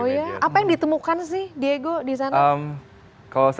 oh iya apa yang ditemukan sih diego di sana